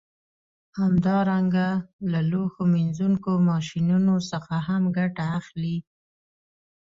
همدارنګه له لوښو مینځونکو ماشینونو څخه هم ګټه اخلي